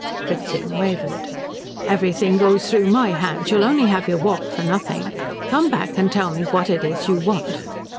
Fritzing wavered. "Everything goes through my hands. You'll only have your walk for nothing. Come back and tell me what it is you want."